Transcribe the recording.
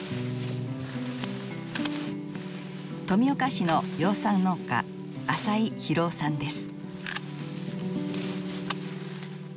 富岡市の養蚕農家浅井広大さんです。